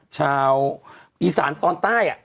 ชาวอีสานตอนใต้